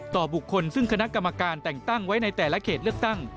บุคคลซึ่งคณะกรรมการแต่งตั้งไว้ในแต่ละเขตเลือกตั้ง